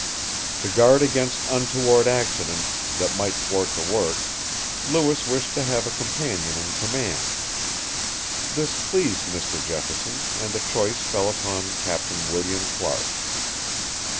To guard against untoward accident, that might thwart the work, Lewis wished to have a companion in command. This pleased Mr. Jefferson, and the choice fell upon Captain William Clark.